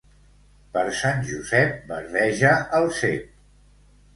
Per Sant Josep, verdeja el cep.